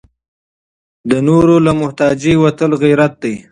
د نورو له محتاجۍ وتل غیرت دی.